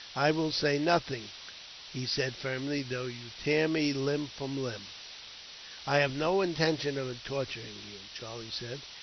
"I will say nothing," he said, firmly, "though you tear me limb from limb." "I have no intention of torturing you," Charlie said.